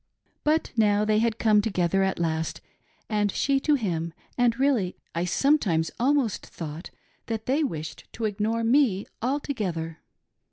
But now they had come together at last he took to her kindly and she to him, and really I sometimes almost thought that they wished to ignore me altogether.